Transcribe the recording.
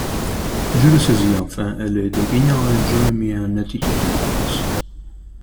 Je le saisis enfin, et, le dégainant, je me mis en attitude de défense.